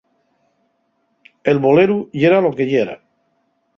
El boleru yera lo que yera.